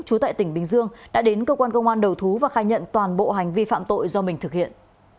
chú tại tỉnh bình dương đã đến cơ quan công an đầu thú và khai nhận toàn bộ hành vi phạm tội do mình thực hiện